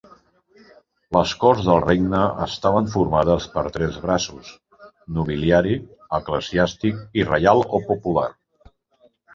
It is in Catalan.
Les Corts del regne estaven formades per tres braços: nobiliari, eclesiàstic i reial o popular.